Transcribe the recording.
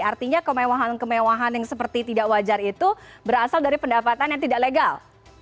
artinya kemewahan kemewahan yang seperti tidak wajar itu berasal dari pendapatan yang tidak legal